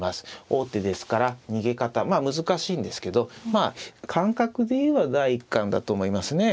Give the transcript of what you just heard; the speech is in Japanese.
王手ですから逃げ方まあ難しいんですけどまあ感覚で言えば第一感だと思いますね。